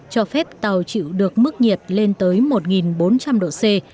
cho phép tàu chịu được mức nhiệt lên tới một bốn trăm linh độ c